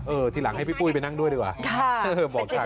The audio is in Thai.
ทีหลังให้พี่ปุ้ยไปนั่งด้วยดีกว่า